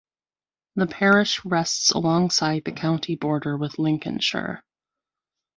The parish rests alongside the county border with Lincolnshire.